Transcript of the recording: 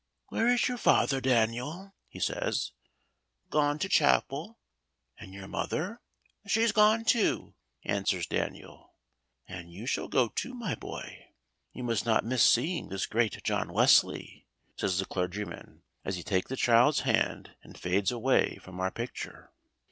"Where is your father, Daniel?" he says. "Gone to chapel." "And your mother?" "She's gone too," answers Daniel. "And you shall go too, my boy. You must not miss seeing this great man, John Wesley," says the clergyman, as he takes the child's hand and fades away from our picture.